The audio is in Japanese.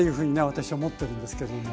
私は思ってるんですけども。